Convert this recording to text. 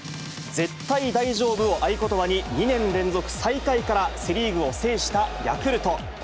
絶対大丈夫を合言葉に、２年連続最下位からセ・リーグを制したヤクルト。